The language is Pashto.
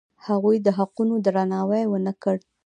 هغوی د حقونو درناوی ونه کړ.